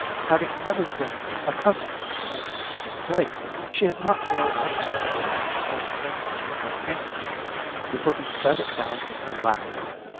Having never been accustomed to hold her own plate, she had not well extricated her whole fingers from her handkerchief before he set it down in her lap.